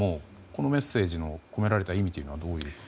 このメッセージに込められた意味というのは。